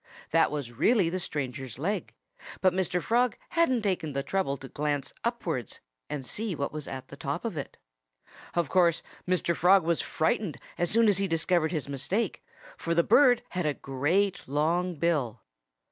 That was really the stranger's leg; but Mr. Frog hadn't taken the trouble to glance upwards and see what was at the top of it. Of course, Mr. Frog was frightened as soon as he discovered his mistake, for the bird had a great, long bill.